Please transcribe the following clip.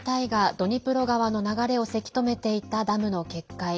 ドニプロ川の流れをせき止めていたダムの決壊。